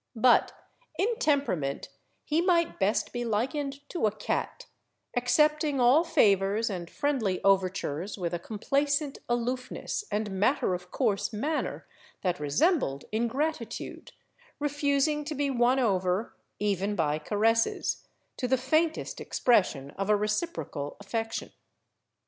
But in temperament he might best be likened to a cat, ac cepting all favors and friendly overtures with a complacent aloofness and matter of course manner that resembled ingratitude, refusing to be won over, even by carresses, to the faintest expression of a reciprocal affection.